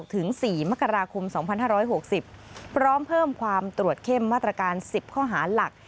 ถึงสี่มกราคมสองพันห้าร้อยหกสิบพร้อมเพิ่มความตรวจเข้มมาตรการสิบข้อหาหลัก